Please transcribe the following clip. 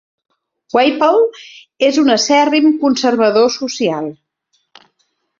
Wappel és un acèrrim conservador social.